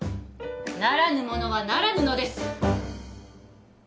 ならぬものはならぬのです